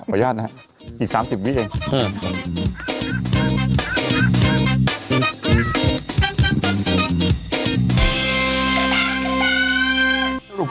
ประวัติญาณนะฮะอีกสามสิบวิติเองฮือ